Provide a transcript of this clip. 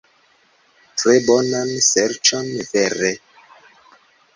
Tre bonan ŝercon, vere.